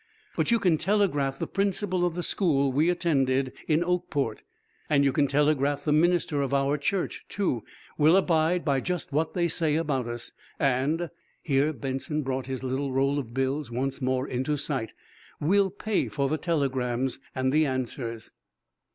But you can telegraph the principal of the school we attended in Oakport, and you can telegraph the minister of our church, too. We'll abide by just what they say about us. And" here Benson brought his little roll of bills once more into sight "we'll pay for the telegrams and the answers."